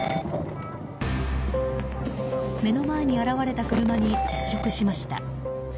目の前に現れた車に接触しました。